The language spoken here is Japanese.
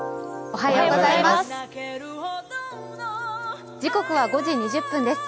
おはようございます。